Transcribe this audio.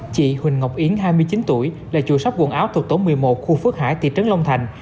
chị huỳnh ngọc yến hai mươi chín tuổi là chùa sóc quần áo thuộc tổng một mươi một khu phước hải tỉ trấn long thành